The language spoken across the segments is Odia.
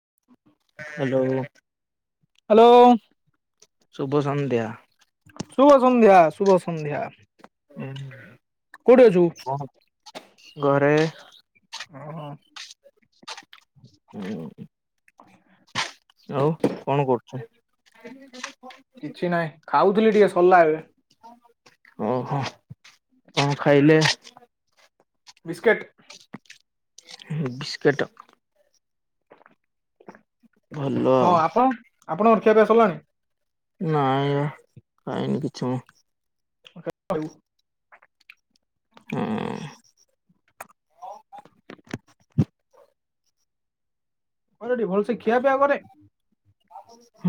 [inaudible] ହ୍ୟାଲୋ ହ୍ୟାଲୋ ଶୁଭ ସନ୍ଧ୍ୟା ଶୁଭ ସନ୍ଧ୍ୟା ଶୁଭ ସନ୍ଧ୍ୟା ହୁଁ କୋଉଠି ଅଛୁ ବ ଘରେ ଓହୋ [unintelligible] ଆଉ କଣ କରୁଛୁ କିଛି ନାହିଁ ଖାଉଥିଲି ଟିକେ ସରିଲା ଏବେ ଓହୋ କଣ ଖାଇଲେ ବିସ୍କେଟ୍ ବିସ୍କୁିଟ୍ ଭଲ ହଁ ଆଉ ଆପଣ ଆପଣ ରଖିବା ପାଇଁ ଆସିଲାଣି ନାଇଁ ଆ କାଇଁନି କିଛି ମୁଁ ଉ ହଁ ହ ହ ରି ଭଲ ସେେ ଖିଆିଆ କରେ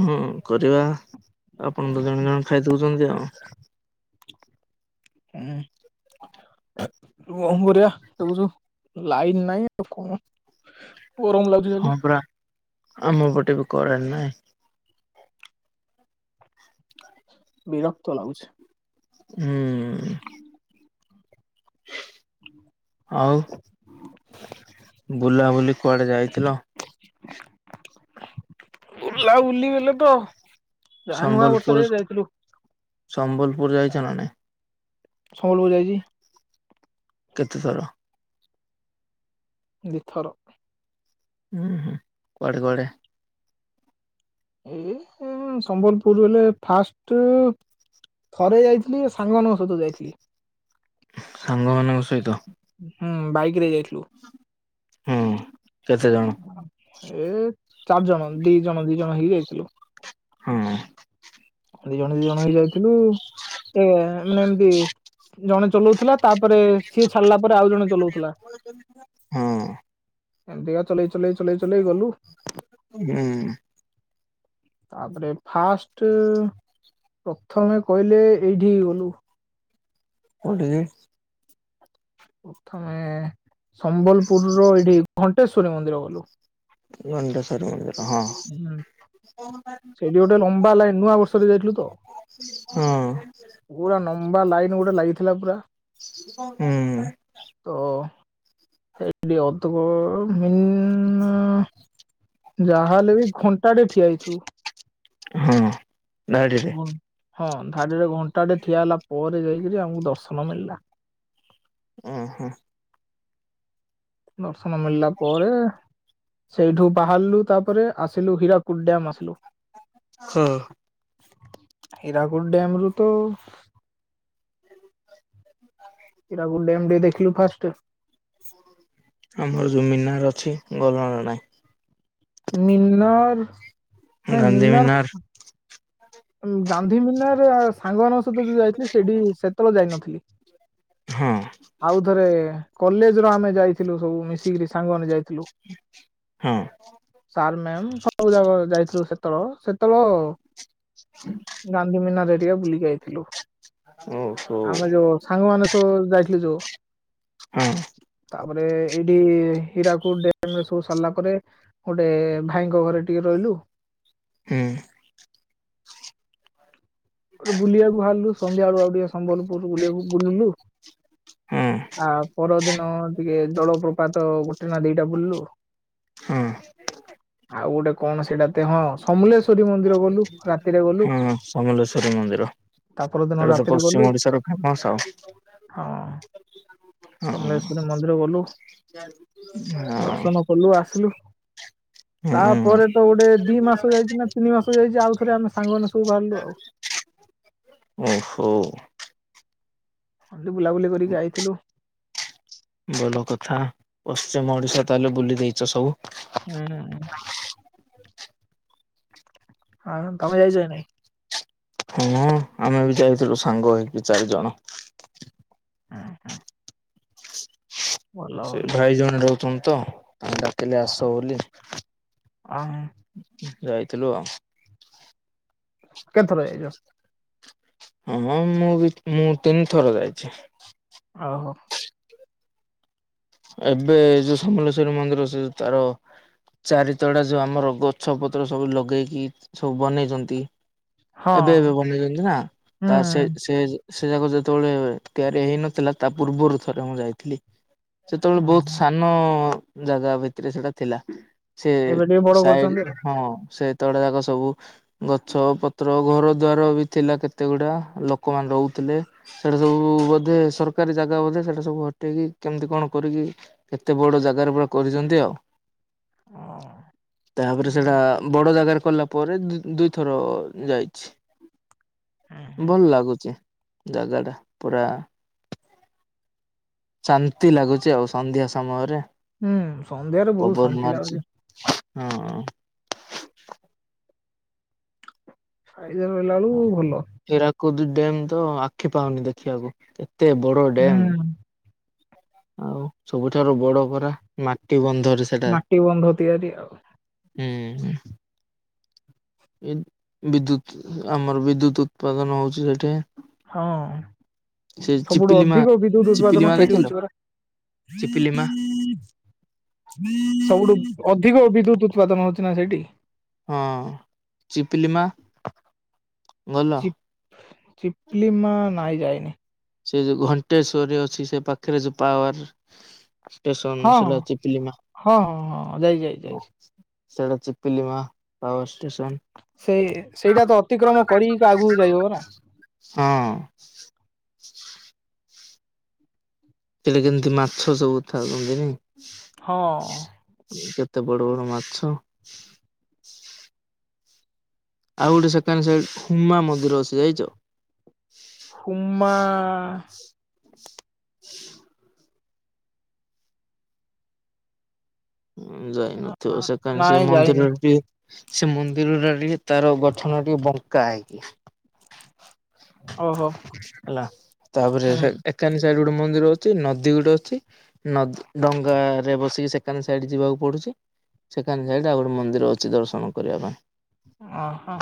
ହଁ କରିବା ଆପଣ ତ ଜଣେ ଜଣେ ଖାଇଦଉଛନ୍ତି ଆଉ ହୁଁ କଣ କରିବା ଦେଖୁଛୁ ଲାଇନ ନାଇଁ ଆଉ କଣ ଗରମ ଲାଗୁଛି ଖାଲି ହଁ ପରାା ଆମ ପଟେ ବି କରରେନ ନାଇଁ ବିରକ୍ତ ଲାଗୁଛି ହୁଁ ହୁଁ ଆଉ ବୁଲାବୁଲି କୁଆଡେ ଯାଇଥିଲ ବଲା ବୁଲି ବଲେ ତ ଯାହା ନୂଆ ବର୍ଷରେ ସମ୍ବଲପୁର ଯାଇଥିଲୁ ସମ୍ବଲପୁର ଯାଇଛ ନା ନାଇଁ ସୋଲ ବଜାଏଛି କେତେଥର ଦଥର ହୁଁ ହୁଁ କୁଆଡେ କୁଆଡେ ଏ ସମ୍ବଲପୁର ବଲେ ଫାଷ୍ଟ ଥରେ ଯାଇଥିଲି ସାଙ୍ଗମାନଙ୍କ ସହିତ ଯାଇଥିଲି ସାଙ୍ଗମାନଙ୍କ ସହିତ ହୁଁ ବାଇକ ରେ ଯାଇଥିଲୁ। ହଁ କେତେ ଜଣ। ଏ ଚାରି ଜଣ ଦି ଜଣ ଦି ଜଣ ହେଇକି ଯାଇଥିଲୁ। ହଁ। ଦି ଜଣ ଦି ଜଣ ହେଇ ଯାଇଥିଲୁ ଏ ମାନେ ଏମତି ଜଣେ ଚଲୋଉଥୁଲା ତାପରେ ସିଏ ଛାଡିଲା ପରେ ଆଉ ଜଣେ ଚଲୋଉ ହଁ। ଏମିତିକା ଚଲେଇ ଚଲେଇ ଚଲେଇ ଚଲେଇ ଗଲୁ। ହୁଁ। ତାପରେ ଫାଷ୍ଟ ପ୍ରଥମେ କହିଲେ ଏଇଠିକି ଗଲୁ। କୋଉଠିକି। ପଥମେ ସମ୍ବଲପୁର ର ଏଇଠିକି ଘଣ୍ଟେଶ୍ଵରୀ ମନ୍ଦିର ଗଲୁ। [unintelligible] ହୁଁ ସେଇଠି ଗୋଟେ ଲମ୍ବା ଲାଇନ ନୂଆ ବର୍ଷରେ ଯାଇଥିଲୁ ତ। ହଁ। ପୁରା ନମ୍ବା ଲାଇନ୍ ଗୋଟେ ଲାଗିଥିଲା ପୁରା। ହୁଁ। ତ ସେଇଠି [unintelligible] ଯାହାଲେ ବି ଘଣ୍ଟାଟେ ଠିଆ ହେଇଥୁବୁ। ହଁ। ଧାଡିରେ [unintelligible] ହଁ ଧାଡିରେ ଘଣ୍ଟାଟେ ଠିଆ ହେଲା ପରେ ଯାଇକିରି ଆମକୁ ଦର୍ଶନ ମିଳିଲା। ଅହଁ। ଦର୍ଶନ ମିଳିଲା ପରେ ସେଇଠୁ ବାହାରିଲୁ ତାପରେ ଆସିଲୁ ହୀରାକୁଦ୍ ଡ୍ୟାମ ଆସିଲୁ। ହଁ। ହୀରାକୁଦ ଡ୍ୟାମ ରୁ ତ [unintelligible] ହୀରାକୁଦ ଡ୍ୟାମ୍ ଟିକେ ଦେଖିଲୁ ଫାଷ୍ଟ। ଆମର ଯୋଉ ମିନାର ଅଛି [unintelligible] ନାହିଁ। ମିନର୍ ଗାନ୍ଧୀ ମିନାର। ଗାନ୍ଧୀ ମିନାର ସାଙ୍ଗମାନାଙ୍କ ସହିତ ଯୋଉ ଯାଇଥିଲି ସେଇଠି ସେତୋବୋଳେ ଯାଇନଥିଲି। ହଁ। ଆଉ ଥରେ କଲେଜ ର ଆମେ ଯାଇଥିଲୁ ସବୁ ମିଶିକିରି ସାଙ୍ଗମାନେ ଯାଇ ଥିଲୁ। ହଁ ସାର୍ ମ୍ୟାାମ ସବୁ ଯାଗ ଯାଇଥିଲୁ ସେତୋ [unintelligible] ସେତୋବୋଳୋ ଗାନ୍ଧୀ ମୀିନାର ହେରିକା ବୁଲିକି ଆଇଥିଲୁ। ଓହୋ। ସାଙ୍ଗମାନୋ ସବୁ ଯାଇଥିଲେ ଯୋଉ। ହଁ ତାପରେ ଏଇଠି ହୀରାକୁଦ ଡ୍ୟାମ ରେ ସବୁ ସାରିଲା ପରେ। ଗୋଟେ ଭାଇଙ୍କ ଘରେ ଟିକେ ରହିଲୁ। ହୁଁ। [unintelligible] ବୁଲିବାକୁ ବାହାରିଲୁ ସନ୍ଧ୍ୟା ଆଳୁଆ ଆଉ ଟିକେ ସମ୍ବଲପୁର ବୁଲିବାକୁ ବୁଲିଲୁ। ହଁ ଆ ପରଦିନ ଟିକେ ଜଳପ୍ରପାତ ଗୋଟେ ନା ଦିଟା ବୁଲିଲୁ। ହଁ। ଆଉ ଗୋଟେ କଣ ସେଇଟା ତେ ହଁ ସମଲେଶ୍ଵରୀ ମନ୍ଦିର ଗଲୁ ରାତିରେ ଗଲୁ। ସମଲେଶ୍ୱରୀ ମନ୍ଦିର। ତା ପରଦିନ ସେଇଟା ତ ରାତିରେ ପଶ୍ଚିମ ଗଲୁ ଓଡିଶାର ଫେମସ ଆଉ ହଁ। ସମଲେଶ୍ଵରୀ ମନ୍ଦିର ଗଲୁ ହଁ ଦର୍ଶନ କଲୁ ଆସିଲୁ। ହୁଁ ତାପରେ ତ ଗୋଟେ ଦି ମାସ ଯାଇଚି ନା ତିନି ମାସ ଯାଇଚି ଆଉଥରେ ଆମେ ସାଙ୍ଗମାନେ ସବୁ ବାହାରିଲୁ ଆଉ। ଓହୋ। ହେଟି ବୁଲାବୁଲି କରିକି ଆାଇଥିଲୁ। ବଲ କଥା ପଶ୍ଚିମ ଓଡିଶା ତାହେଲେ ବୁଲି ଦେଇଚ ସବୁ। ହୁଁ। ହଁ ତମେ ଯାଇଚ କି ନାଇଁ। ହଁ ଆମେ ବି ଯାଇଥିଲୁ ସାଙ୍ଗ ହେଇକି ଚାରି ଜଣ। ନାଇଁ? ଭଲ ସେ ଭଲ ଭାଇ ଜଣେ ରହୁଚନ୍ତି ତ ଡାକିଲେ ଆସ ବୋଲି। ହୁଁ। ଯାଇଥିଲୁ ଆଉ। କେତେଥର ଯାଇଚ। ହଁ ମୁଁ ବି ମୁଁ ତିନିଥର ଯାଇଛି। ଓ ହୋ। ଏବେ ଯୋଉ ସମଲେଶ୍ଵରୀ ମନ୍ଦିର ସେ ତାର ଚାରିତଡ଼ା ଯୋଉ ଆମର ଗଛପତ୍ର ସବୁ ଲଗେଇକି ସବୁ ବନେଇଚନ୍ତି। ହଁ ଏବେ ଏବେ ବନେଇଚନ୍ତି ନା ତା ସେ ହୁଁ ସେ ସେ ଯାକ ଯେତେବେଳେ ତିଆରି ହେଇନଥିଲା ତା ପୂର୍ବରୁ ଥରେ ମୁଁ ଯାଇଥିଲି। ସେତେବେଳେ ବହୁତ ଓହୋ ସାନ ଜାଗା ଭିତରେ ସେଟା ଥିଲା। ସେ ଏବେ ଟିକେ ବଡ କରୁଛନ୍ତି ଆଉ। ସାଇଡ ହଁ ସେତଳେ ଯାକ ସବୁ ଗଛ ପତ୍ର ଘର ଦ୍ୱାର ବି ଥିଲା କେତେ ଗୁଡା ଲୋକମାନେ ରହୁଥିଲେ। ସେଇଟା ସବୁ ବୋଧେ ସରକାରୀ ଜାଗା ବୋଧେ ସେଟା ସବୁ ହଟେଇକି କେମିତି କଣ। କରିକି କେତେ ବଡ ଜାଗାରେ ପୁରା କରିଚନ୍ତି ଆଉ। ଓ ତାପରେ ହୁଁ ସେଟା ବଡ ଜାଗାରେ କଲା। ପରେ ଦୁଇଥର ଯାଇଛି ଭଲ ଲାଗୁଚି। ଜାଗା ଟା ପୁରା ଶାନ୍ତି ଲାଗୁଚି। ଆଉ ସନ୍ଧ୍ୟା ସମୟରେ ହୁଁ ହୁଁ ସନ୍ଧ୍ୟାରେ ବହୁତ ଓବର ଶାନ୍ତି ଲାଗୁଛି। ମାରିଚି ହଁ। ସାଇଦାର ରହିଲା ବେଳୁ ଭଲ। ହିରାକୁଦ ଡ୍ୟାମ୍ ତ ଆଖି ପାଉନି ଦେଖିବାକୁ କେତେ ବଡ ଡ୍ୟାମ୍। ହୁଁ ଆଉ ସବୁଠାରୁ ବଡ ଖରା ମାଟି ବନ୍ଧ ମାଟି ବନ୍ଧ ତିଆରି ଆଉ। ହୁଁ ହୁଁ। ଏ ବିଦ୍ୟୁତ ଆମର ବିଦ୍ୟୁତ ଉତ୍ପାଦନ ହଉଚି ସେଠି। ହଁ। ସେ ସବୁଠୁ ଚିପିଲି ମା ଅଧିକ ବିଦ୍ୟୁତ ଉତ୍ପାଦନ ଚିପିଲି ମା ସେଇଠି ହଉଛି ଦେଖିଲ। ପରା ଚିପିଲିମା। ସବୁଠୁ ଅଧିକ ବିଦ୍ୟୁତ ଉତ୍ପାଦନ ହଉଚି ନା ସେଇଠି। ହଁ ଚିପଲିମା। ଚପ୍ ଚିପ୍ଲି ମା ନାଇଁ ଯାଇନି। ସେ ଯୋଉ ଘଣ୍ଟେଶ୍ଵରି ଅଛି ସେ ପାଖରେ ଯୋଉ ପାୱାର ଷ୍ଟେସନ ହଁ ହଁ ସିଳା ଚିପିଲି ମା। ହଁ ହଁ ହଁ ଯାଇଛି ଯାଇଛି ଯାଇଛି। ସେଇଡା ଚିପିଲିମା ପାୱାର ଷ୍ଟେସନ। ସେଇ ସେଇଟା ତ ଅତିକ୍ରମ କରିକି ଆଗକୁ ଯାଇ ହବ ନା। ହଁ। [unintelligible] ମାଛ ସବୁ ଥାଉଚନ୍ତିନି ହଁ ଏତେ ବଡ ବଡ ମାଛ। ଆଉ ଗୋଟେ ସେକେଣ୍ଡ ସାଇଡ୍ ହୁମା ମନ୍ଦିର ଅସି ଯାଇଚ। ହମା। ହ ଯାଇନଥିବ ସେ କ ସେ ନାଇଁ ମନ୍ଦିର ଯାଇନି ଟି ସେ ମନ୍ଦିର ଟା ଟିକେ ତାର ଗଠନ ଟିକେ ବଙ୍କା ହେଇକି। ଓହୋ ହେଲା, ତାପରେ ହୁଁ ସେକାନେ ସାଇଡ ଗୋଟେ ମନ୍ଦିର ଅଛି, ନଦୀ ଗୋଟେ ଅଛି, ଡଙ୍ଗାରେ ବସିକି ସେ ସେକାନ ସାଇଡ ଯିବାକୁ ପଡୁଛି, ସେକାନ ସାଇଡ ଆଉ ଗୋଟେ ମନ୍ଦିର ଅଛି ଦର୍ଶନ କରିବା ପାଇଁ। ଅ ହ।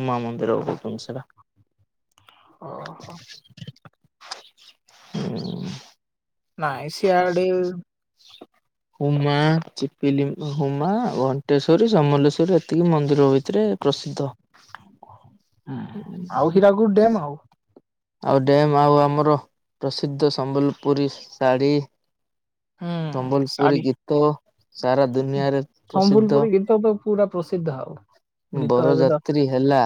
ଉମା ମନ୍ଦିର କହୁଛନ୍ତିମ ସେଟା। ଅ ହ। ହୁଁ। ନାଇ ସିଆଡି ହୁମା, ଚିପିଲି, ହୁମା, ଘଣ୍ଟେଶ୍ଵରୀ, ସମଲେଶ୍ଵରୀ ଏତିକି ମନ୍ଦିର ଭିତରେ ପ୍ରସିଦ୍ଧ। ହୁଁ ଆଉ ହୀରାକୁୁଡ ଡ୍ୟମ୍ ଆଉ ଆଉ ଡ୍ୟମ୍ ଆଉ ଆମର ପ୍ରସିଦ୍ଧ ସମ୍ବଲପୁରୀ ଶାଢ଼ୀ। ହୁଁ ସମ୍ବଲପୁରୀ ଶାଢୀ ଗୀତ ସାରା ଦୁନିଆରେ ପ୍ରସିଦ୍ଧ। ସମ୍ବଲପୁରୀ ଗୀତ ତ ପୁରା ପ୍ରସିଦ୍ଧ ଆଉ ଗୀତ ଏବେ ତ ବରଯାତ୍ରୀ ହେଲା,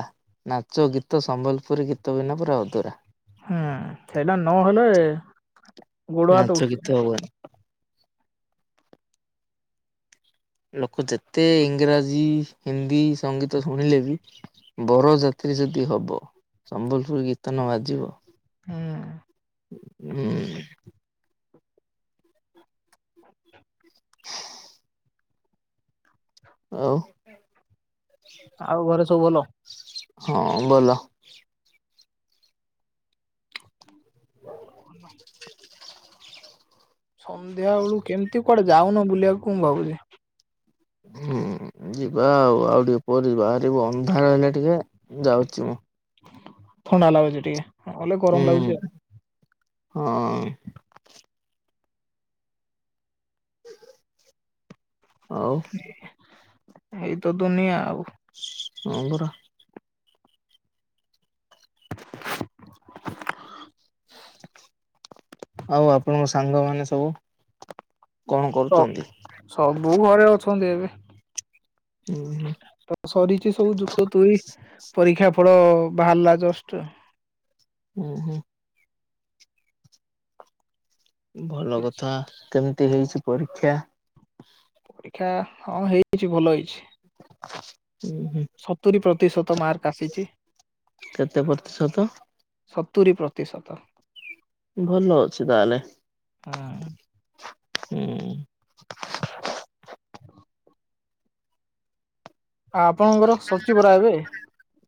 ନାଚ ଗୀତ ସମ୍ବଲପୁରୀ ଗୀତ ବିନା ପୁରା ଅଧୁରା। ହଁ, ସେଇଟା ନ ହେଲେ ନାଚ ଗୀତ ହବନି। ଲୋକ ଯେତେ ଇଂରାଜୀ ହିନ୍ଦୀ ସଙ୍ଗୀତ ଶୁଣିଲେ ବି ବର ଯାତ୍ରୀ ଯଦି ହବ, ସମ୍ବଲପୁରୀ ଗୀତ ନ ବାଜିବ ହୁଁ ଉଁ ହୁଁ ଆଉ ଆଉ ଘରେ ସବୁ ଭଲ? ହଁ ଭଲ। [unintelligible] ସନ୍ଧ୍ୟା ବେଳୁ କେମିତି କୁଆଡେ ଯାଉନ ବୁଲିବାକୁ ମୁଁ ଭାବୁଛି? ହୁଁ ଯିବା, ଆଉ ଆଉ ଟିକେ ପରେ ବାହାରିବୁ। ଅନ୍ଧାର ହେଲେ ଟିକେ ଯାଉଛି ମୁଁ। ଥଣ୍ଡା ଲାଗୁଛି ଟିକେ, ନହେଲେ ଗରମ ହୁଁ ଲାଗୁଛି ଆଉ। ହଁ ଅଁ। ଆଉ ଏଇତ ଦୁନିଆ ଆଉ। ହଁ ପରା। ଆଉ ଆପଣଙ୍କ ସାଙ୍ଗମାନେ ସବୁ? କଣ ସ କରୁଛନ୍ତି? ସବୁ ଘରେ ଅଛନ୍ତି ଏବେ। ହୁଁ ହୁଁ। ତ ସରିଛି ସବୁ, ଯୁକ୍ତ ତୁଇ ପରୀକ୍ଷା ଫଳ ବାହାରିଲା ଜଷ୍ଟ। ଉଁ ହୁଁ। ଭଲ କିଛି କଥା କେମିତି ହେଇଛି ପରୀକ୍ଷା? ପରୀକ୍ଷା ହଁ ହେଇଯାଇଛି, ଭଲ ହେଇଛି। ହୁଁ ହୁଁ। ସତୁରି ପ୍ରତିଶତ ମାର୍କ ଆସିଚି। କେତେ ପ୍ରତିଶତ ସତୁରି ପ୍ରତିଶତ। ଭଲ ଅଛି ତାହେଲେ। ହୁଁ ଉଁ। ହୁଁ। ଆ ଆପଣଙ୍କର ସରିଚି ପରା ଏବେ?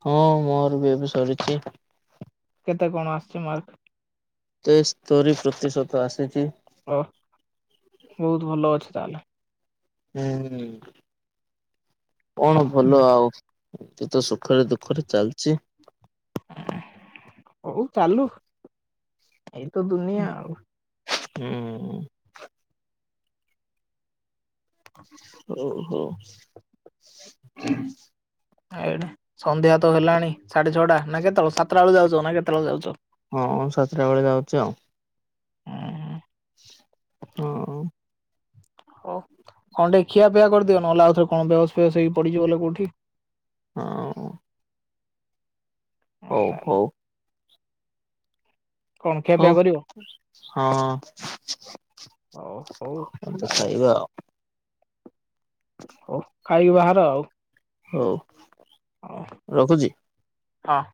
ହଁ ମୋର ବି ଏବେ ସରିଛି। କେତେ କଣ ଆସିଛି ମାର୍କ? ତେସ୍ତୋରି ପ୍ରତିଶତ ଆସିଛି। ୱା, ବହୁତ ଭଲ ଅଛି ତାହେଲେ। ହୁଁ, କଣ ଭଲ ଆଉ। ଏମିତି ତ ସୁଖରେ ଦୁଃଖରେ ଚାଲିଚି। ହଉ ଚାଲୁ ଏଇତ ଦୁନିଆ ଆଉ। ହୁଁ। [inaudible] ହଉ -ହଉ। ଏଆଡେ ସନ୍ଧ୍ୟା ତ ହେଲାଣି ସାଢେ ଛଅଟା ନା କେତଳ ସାତଟା ବେଳ ଯାଉଚ ନା କେତେବଳେ ଯାଉଚ? ହଁଁ ସାତ୍ ଟା ବେଳେ ଯାଉଚି ଆଉ। ହୁଁ ହଁ। ହଉ କଣ୍ ଟିକେ ଖିଆପିଆ କରିଦିଅ ନହେଲେ ଆଉଥରେ କଣ୍ ବେହୋସ୍ ଫେହୋସ୍ ହେଇକି ପଡିଯିବ ହେଲେ କଉଠି। ହଁ- ଉଁ। ହଉ- ହଉ। କଣ ଖିଆ ହଉ ପିଆ କରିବ? ହଁ ହଉ ହଉ ତାହେଲେ ଖାଇବା ଆଉ। ହଉ ଖାଇକି ବାହାର ଆଉ। ହଉ ହଁ ରଖୁଚି? ହଁ।